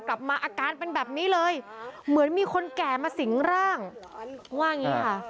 กลับมาอาการเป็นแบบนี้เลยเหมือนมีคนแก่มาสิง่างร่าง